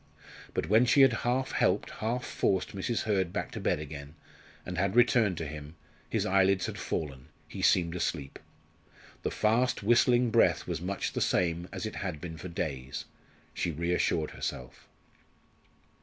But when she had half helped, half forced Mrs. Hurd back to bed again, and had returned to him, his eyelids had fallen, he seemed asleep. The fast, whistling breath was much the same as it had been for days; she reassured herself.